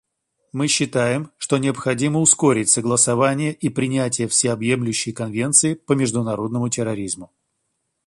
Мы считаем, что необходимо ускорить согласование и принятие всеобъемлющей конвенции по международному терроризму.